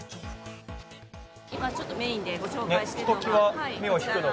今ちょっとメインでご紹介しているのが、こちら。